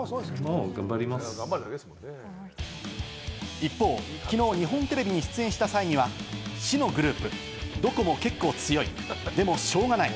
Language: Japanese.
一方、昨日、日本テレビに出演した際には、死のグループ、どこも結構強い、でもしょうがない。